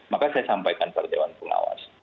maka saya sampaikan pada dewan pengawas